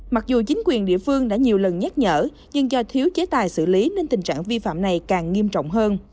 mặc dù chính quyền địa phương đã nhiều lần nhắc nhở nhưng do thiếu chế tài xử lý nên tình trạng vi phạm này càng nghiêm trọng hơn